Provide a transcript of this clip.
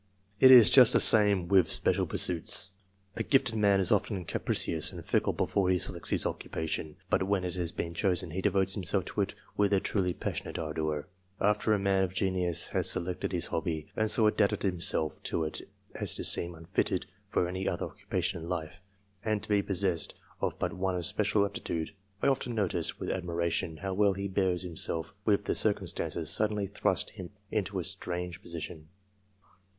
It is just the same with special ACCORDING TO THEIR NATURAL GIFTS 21 pursuits. A gifted man is often capricious and fickle before he selects his occupation, but when it has been chosen, he devotes himself to it with a truly passionate ardour, After a man of genius has selected his hobby, and so adapted himself to it as to seem unfitted for any other occupation in life, and to be possessed of but one special aptitude, I often notice, with admiration, how well he bears himself when circumstances suddenly thrust him into a strange position.